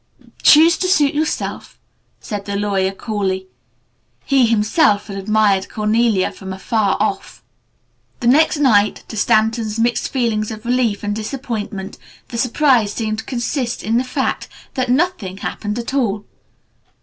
"Choose to suit yourself," said the lawyer coolly. He himself had admired Cornelia from afar off. The next night, to Stanton's mixed feelings of relief and disappointment the "surprise" seemed to consist in the fact that nothing happened at all.